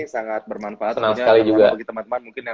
senang sekali juga